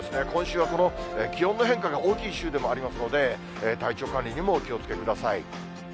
今週はこの気温の変化が大きい週でもありますので、体調管理にもお気をつけください。